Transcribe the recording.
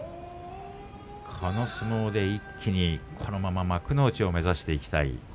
この相撲で一気にこのまま幕内を目指していきたい。